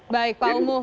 baik pak omoh